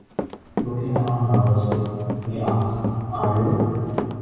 Looking around nervously, he asks, Are you...